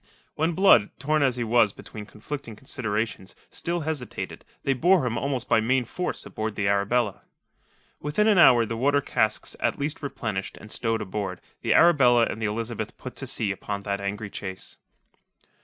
When Blood, torn as he was between conflicting considerations, still hesitated, they bore him almost by main force aboard the Arabella. Within an hour, the water casks at least replenished and stowed aboard, the Arabella and the Elizabeth put to sea upon that angry chase.